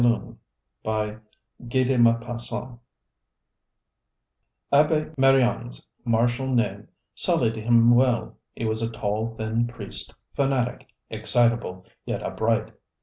ŌĆØ CLAIR DE LUNE Abbe Marignan's martial name suited him well. He was a tall, thin priest, fanatic, excitable, yet upright.